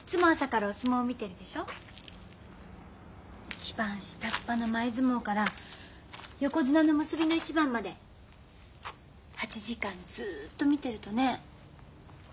一番下っ端の前相撲から横綱の結びの一番まで８時間ずっと見てるとね分かるのよ。